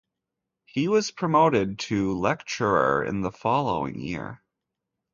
He was promoted to Lecturer in the following year.